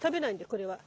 これは。